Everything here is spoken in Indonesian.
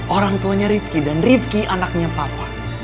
orang tuanya rifki dan rizki anaknya papa